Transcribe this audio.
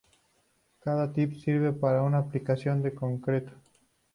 Cada tips sirve para una aplicación en concreto.